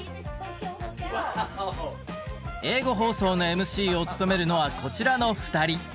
英語放送のＭＣを務めるのはこちらの２人。